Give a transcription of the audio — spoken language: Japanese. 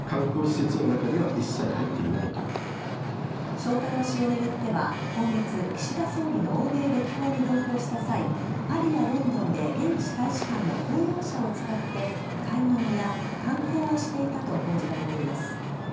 翔太郎氏を巡っては今月、岸田総理の欧米歴訪に同行した際パリやロンドンで現地大使館の公用車を使って買い物や観光をしていたと報じられています。